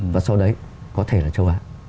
và sau đấy có thể là châu á